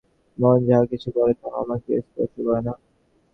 মন যাহা কিছু করে, তাহা আমাকে স্পর্শ করে না।